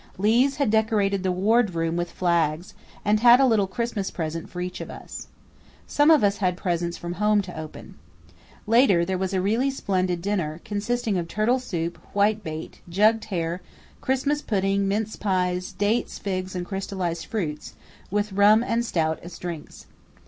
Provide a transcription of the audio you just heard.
Lees had decorated the wardroom with flags and had a little Christmas present for each of us. Some of us had presents from home to open. Later there was a really splendid dinner, consisting of turtle soup, whitebait, jugged hare, Christmas pudding, mince pies, dates, figs and crystallized fruits, with rum and stout as drinks.